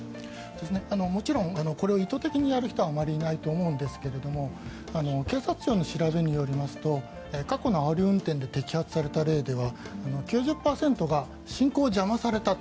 もちろんこれを意図的にやる人はあまりいないと思いますが警察庁の調べによりますと過去のあおり運転で摘発された例では９０％が進行を邪魔されたと。